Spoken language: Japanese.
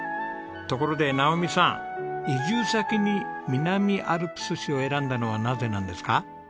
ところで直美さん移住先に南アルプス市を選んだのはなぜなんですか？